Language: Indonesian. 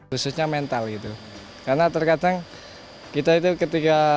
pemain timnas sepak bola amputasi indonesia